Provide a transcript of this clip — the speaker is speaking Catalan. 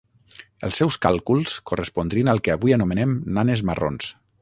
Els seus càlculs correspondrien al que avui anomenem nanes marrons.